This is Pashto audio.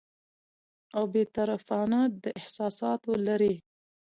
او بې طرفانه، د احساساتو لرې